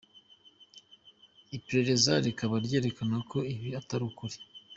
Iperereza rikaba ryerekana ko ibi atari ukuri.